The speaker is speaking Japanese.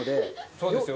そうですよ。